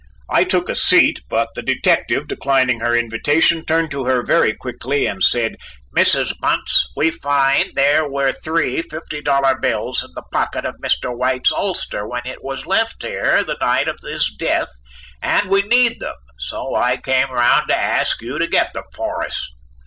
I took a seat, but the detective, declining her invitation, turned to her very quickly, and said: "Mrs. Bunce, we find there were three fifty dollar bills in the pocket of Mr. White's ulster when it was left here the night of his death and we need them, so I came around to ask you to get them for us."